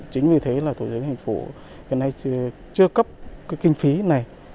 chính vì thế là thủ tướng hành phủ hiện nay chưa cấp cái kinh phí này